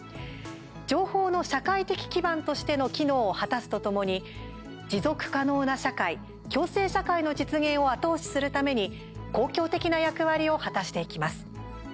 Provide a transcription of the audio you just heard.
情報の社会的基盤としての機能を果たすとともに、持続可能な社会共生社会の実現を後押しするために公共的な役割を果たしていきます。